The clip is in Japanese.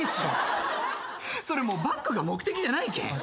それもうバッグが目的じゃないけん。